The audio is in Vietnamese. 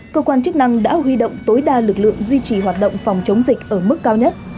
cơ quan chức năng đã huy động tối đa lực lượng duy trì hoạt động phòng chống dịch ở mức cao nhất